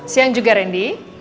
siang juga rendy